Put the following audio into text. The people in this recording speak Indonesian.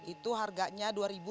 itu harganya rp dua lima ratus